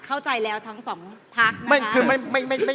เข้าใจแล้วทั้ง๒ภักร์นะคะ